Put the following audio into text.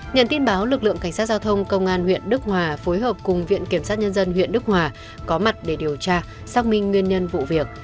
nhận tin báo lực lượng cảnh sát giao thông công an huyện đức hòa phối hợp cùng viện kiểm sát nhân dân huyện đức hòa có mặt để điều tra xác minh nguyên nhân vụ việc